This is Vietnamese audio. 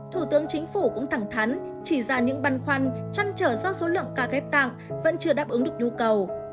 thủ tướng chính phủ cũng thẳng thắn chỉ ra những băn khoăn chăn trở do số lượng ca ghép tặng vẫn chưa đáp ứng được nhu cầu